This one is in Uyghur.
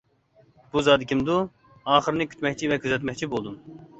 بۇ زادى كىمدۇ؟ ئاخىرىنى كۈتمەكچى ۋە كۆزەتمەكچى بولدۇم.